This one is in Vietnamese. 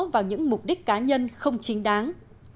vào những mục đích cá nhân không chính đáng